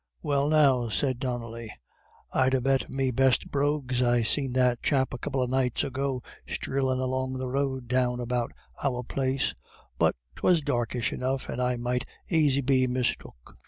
"Well now," said Donnelly, "I'd ha' bet me best brogues I seen that chap a couple of nights ago streelin' along the road down about our place; but 'twas darkish enough, and I might aisy be mistook."